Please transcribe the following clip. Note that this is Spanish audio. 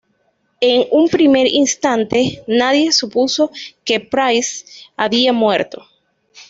En un primer instante nadie supuso que Pryce había muerto.